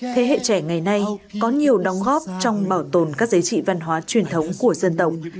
thế hệ trẻ ngày nay có nhiều đóng góp trong bảo tồn các giá trị văn hóa truyền thống của dân tộc